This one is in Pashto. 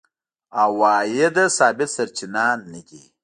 عوایده ثابت سرچینه نه دي.